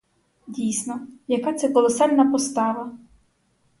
Дійсно, яка це колосальна постава!